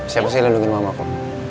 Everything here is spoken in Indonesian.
siapa sih yang lindungi mama aku